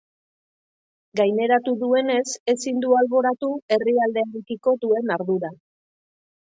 Gaineratu duenez, ezin du alboratu herrialdearekiko duen ardura.